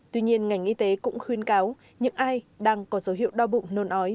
tuy nhiên ngành y tế cũng khuyên cáo những ai đang có dấu hiệu đo bụng nôn ói